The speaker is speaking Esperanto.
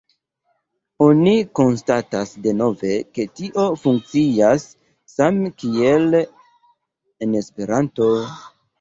Oni konstatas denove, ke tio funkcias same kiel en Esperanto.